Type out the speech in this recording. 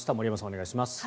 お願いします。